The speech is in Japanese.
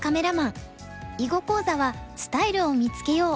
囲碁講座は「スタイルを見つけよう」をお送りします。